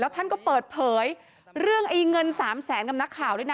แล้วท่านก็เปิดเผยเรื่องไอ้เงิน๓แสนกับนักข่าวเลยนะ